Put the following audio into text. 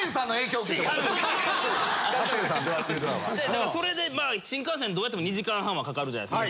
だからそれで新幹線どうやっても２時間半はかかるじゃないですか。